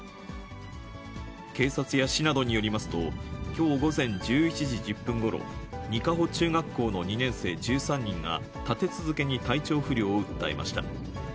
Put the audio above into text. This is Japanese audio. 警察や市などによりますと、きょう午前１１時１０分ごろ、仁賀保中学校の２年生１３人が、立て続けに体調不良を訴えました。